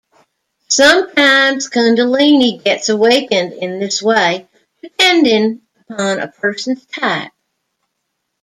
Sometimes kundalini gets awakened in this way, depending upon a person's type.